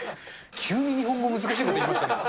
急に日本語難しいこと言いましたね。